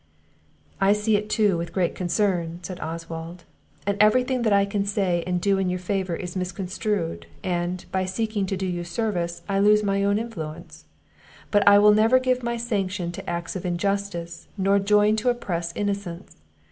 "I see it too, with great concern," said Oswald; "and every thing that I can say and do in your favour is misconstrued; and, by seeking to do you service, I lose my own influence. But I will never give my sanction to acts of injustice, nor join to oppress innocence.